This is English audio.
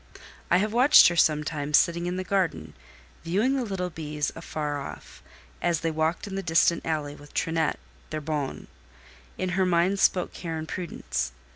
I have watched her sometimes sitting in the garden, viewing the little bees afar off, as they walked in a distant alley with Trinette, their bonne; in her mien spoke care and prudence.